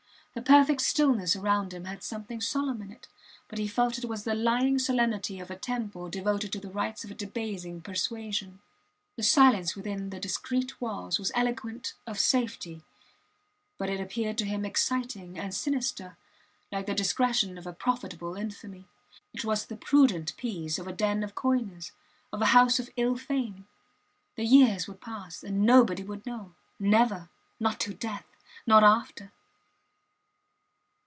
The perfect stillness around him had something solemn in it, but he felt it was the lying solemnity of a temple devoted to the rites of a debasing persuasion. The silence within the discreet walls was eloquent of safety but it appeared to him exciting and sinister, like the discretion of a profitable infamy; it was the prudent peace of a den of coiners of a house of ill fame! The years would pass and nobody would know. Never! Not till death not after